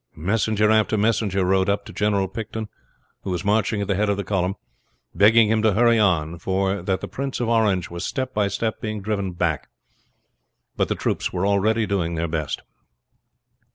Messenger after messenger rode up to General Picton, who was marching at the head of the column, begging him to hurry on, for that the Prince of Orange was step by step being driven back. But the troops were already doing their best.